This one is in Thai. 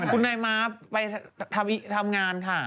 คุณนายม้าไปทำงานค่ะ